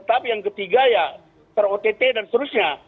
tapi yang ketiga ya ter ott dan seterusnya